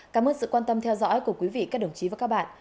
cảm ơn sự quan tâm theo dõi của quý vị các đồng chí và các bạn